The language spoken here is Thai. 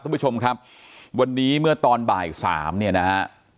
คุณผู้ชมครับวันนี้เมื่อตอนบ่ายสามเนี่ยนะฮะ